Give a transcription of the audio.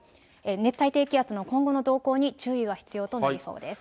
熱帯低気圧の今後の動向に注意が必要となりそうです。